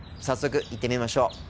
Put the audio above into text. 早速行ってみましょう。